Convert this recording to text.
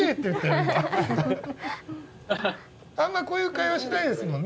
あんまこういう会話しないですもんね。